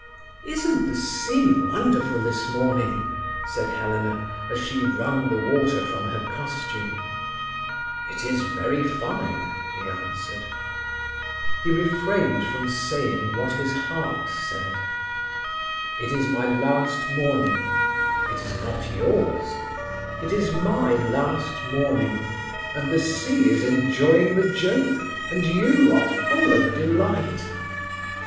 "Isn't the sea wonderful this morning?" asked Helena, as she wrung the water from her costume. "It is very fine," he answered. He refrained from saying what his heart said: "It is my last morning; it is not yours. It is my last morning, and the sea is enjoying the joke, and you are full of delight."